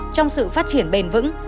trong sự phát triển bền vững